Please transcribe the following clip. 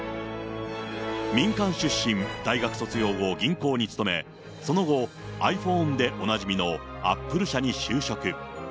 民間出身、大学卒業後、銀行に勤め、その後、ｉＰｈｏｎｅでおなじみのアップル社に就職。